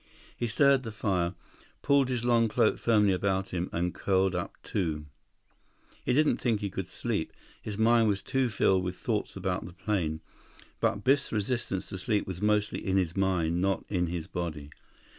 He stirred the fire, pulled his long cloak firmly about him, and curled up too. He didn't think he could sleep—his mind was too filled with thoughts about the plane. But Biff's resistance to sleep was mostly in his mind, not in his body.